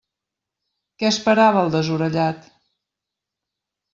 Què esperava el desorellat?